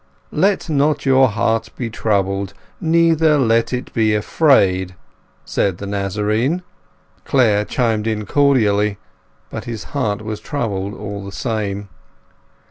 "Let not your heart be troubled, neither let it be afraid," said the Nazarene. Clare chimed in cordially; but his heart was troubled all the same.